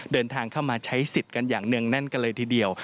เดินทางเข้ามาใช้สิทธิ์กันอย่างเนื่องแน่นกันเลยทีเดียว